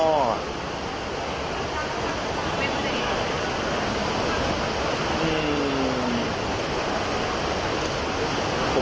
คุยกันเลย